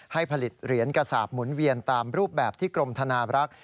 ให้ผลิตเหรียญกระสาปหมุนเวียนตามรูปแบบที่กรมธนาบรักษ์